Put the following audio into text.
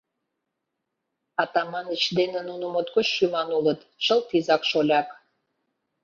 Атаманыч дене нуно моткоч шӱман улыт, чылт изак-шоляк.